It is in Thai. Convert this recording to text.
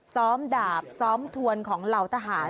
ดาบซ้อมทวนของเหล่าทหาร